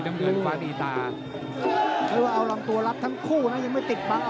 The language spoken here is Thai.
น้ำเงินฟ้าดีตารองตัวลับทั้งคู่ยังไม่ติดบ้าง